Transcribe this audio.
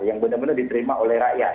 yang benar benar diterima oleh rakyat